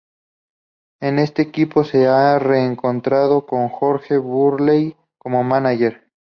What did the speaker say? En este equipo se ha reencontrado con George Burley como manager.